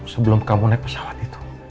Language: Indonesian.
sebelum kamu naik pesawat itu